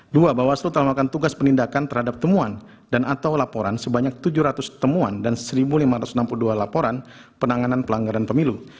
dua bawaslu telah melakukan tugas penindakan terhadap temuan dan atau laporan sebanyak tujuh ratus temuan dan satu lima ratus enam puluh dua laporan penanganan pelanggaran pemilu